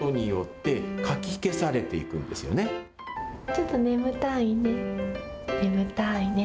ちょっと眠たいね。